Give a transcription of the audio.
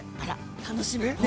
楽しみ。